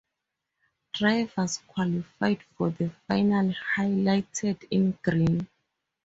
Drivers qualified for the Finale highlighted in green.